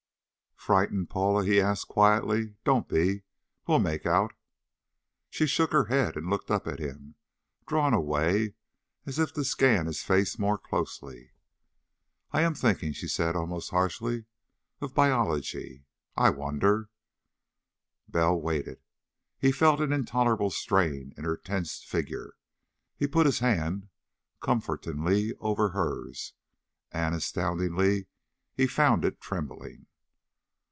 "Frightened, Paula?" he asked quietly. "Don't be. We'll make out." She shook her head and looked up at him, drawing away as if to scan his face more closely. "I am thinking," she said almost harshly, "of biology. I wonder " Bell waited. He felt an intolerable strain in her tensed figure. He put his hand comfortingly over hers. And, astoundingly, he found it trembling.